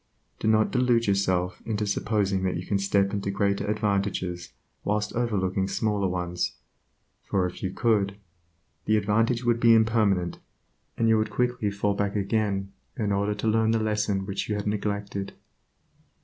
Do not delude yourself into supposing that you can step into greater advantages whilst overlooking smaller ones, for if you could, the advantage would be impermanent and you would quickly fall back again in order to learn the lesson which you had neglected.